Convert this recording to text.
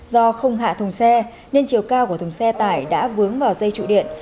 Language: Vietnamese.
do không hạ thùng xe nên chiều cao của thùng xe tải đã vướng vào dây trụ điện